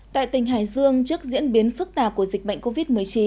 tại tỉnh hải dương trước diễn biến phức tạp của dịch bệnh covid một mươi chín